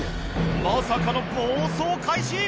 まさかの暴走開始！